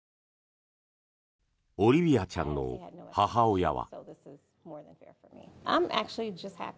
オリビアちゃんの母親は。